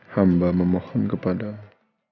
hamba memohon kepadamu